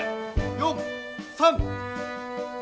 ４３。